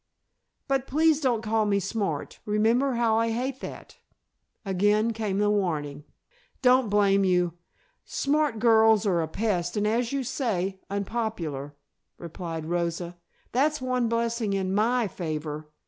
"But please don't call me smart, remember how I hate that," again came the warning. "Don't blame you. Smart girls are a pest and, as you say, unpopular," replied Rosa. "That's one blessing in my favor.